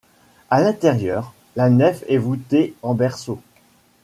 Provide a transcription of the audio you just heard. À l'intérieur, la nef est voûtée en berceau.